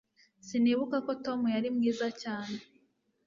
Sinibuka ko Tom yari mwiza cyane